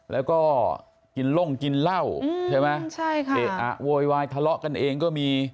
แล้วก็กินล่งกินเหล้าใช่ไหมใช่ค่ะเอ๊ะอะโวยวายทะเลาะกันเองก็มี